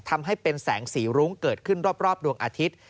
ทำให้เป็นแสงสีรุ้งเกิดขึ้นรอบดวงอาทิตย์